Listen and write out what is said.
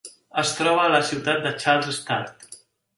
Es troba a la ciutat de Charles Sturt.